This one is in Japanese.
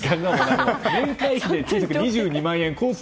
年会費で２２万円コース